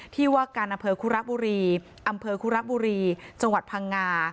ที่ว่าการอำเภอคุระบุรีอำเภอคุระบุรีจังหวัดพังงา